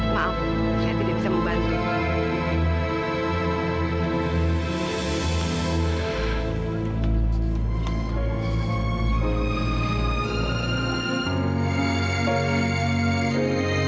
maaf saya tidak bisa membantu